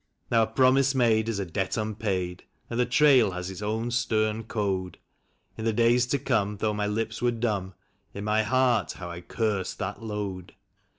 Now a promise made is a debt unpaid, and the trail has its own stern code. In the days to come, though my lips were dumb, in my heart how I cursed that load.